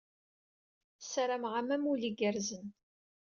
Sarameɣ-am amulli d igerrzen.